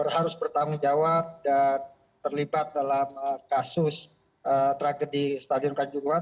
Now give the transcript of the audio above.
harus bertanggung jawab dan terlibat dalam kasus tragedi stadion kanjuruhan